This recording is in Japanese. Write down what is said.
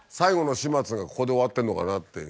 始末はどこでしてんのかなっていう。